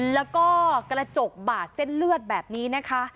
แล้วก็กระจกบาดเส้นเลือดแบบนี้นะคะ